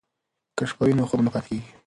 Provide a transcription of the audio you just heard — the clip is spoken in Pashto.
که شپه وي نو خوب نه پاتې کیږي.